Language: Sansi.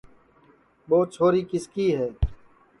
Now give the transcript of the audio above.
ٻو چھوری کِس کی ہے